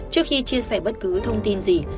trước khi chia sẻ bất cứ thông tin gì